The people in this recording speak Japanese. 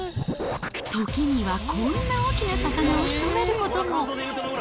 時にはこんな大きな魚をしとめることも。